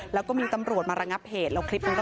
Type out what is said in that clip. แล้วก็มีตำรวจมาระงับเหตุแล้วคลิปนี้ก็ตัดไปนะคะ